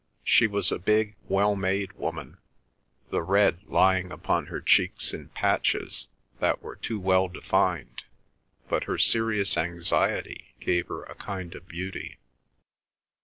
She was a big, well made woman, the red lying upon her cheeks in patches that were too well defined, but her serious anxiety gave her a kind of beauty.